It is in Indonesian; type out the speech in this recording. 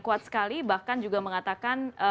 kuat sekali bahkan juga mengatakan